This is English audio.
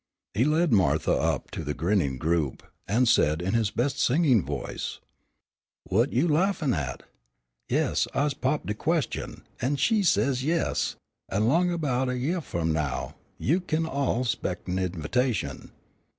He led Martha up to the grinning group, and said in his best singing voice, "Whut you laughin' at? Yes, I's popped de question, an' she says 'Yes,' an' long 'bout a yeah f'om now you kin all 'spec' a' invitation."